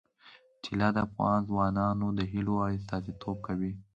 طلا د افغان ځوانانو د هیلو استازیتوب کوي.